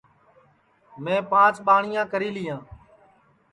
میں پانچ ٻاٹِؔیاں کری لیاں